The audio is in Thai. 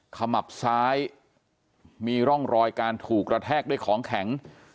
ขมับซ้ายมีร่องรอยการถูกกระแทกด้วยของแข็ง